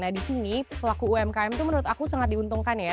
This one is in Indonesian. nah disini pelaku umkm tuh menurut aku sangat diuntungkan ya